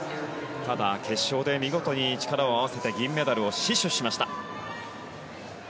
ただ決勝で見事に力を合わせて銀メダルを死守しました。